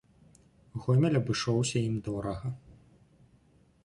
Гомель абышоўся ім дорага.